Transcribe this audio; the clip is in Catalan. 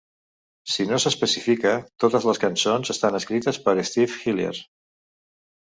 Si no s'especifica, totes les cançons estan escrites per Steve Hillier.